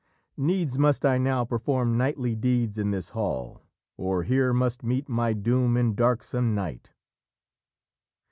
"Needs must I now perform knightly deeds in this hall, Or here must meet my doom in darksome night."